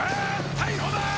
逮捕だー！